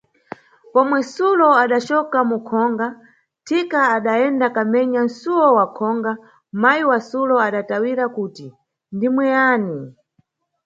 Pomwe sulo adacoka mukhonga, thika adayenda kamenya suwo wakhonga, mayi wa sulo adatawira kuti: diwe yani?